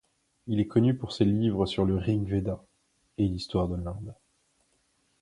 Il est connu pour ses livres sur le Rig-Véda et l'histoire de l'Inde.